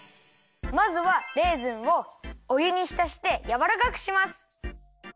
まずはレーズンをおゆにひたしてやわらかくします。